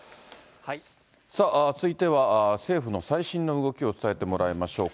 続いては政府の最新の動きを伝えてもらいましょう。